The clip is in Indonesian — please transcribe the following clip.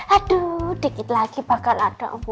aduh dikit lagi bakal ada bu